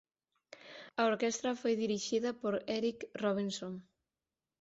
A orquestra foi dirixida por Eric Robinson.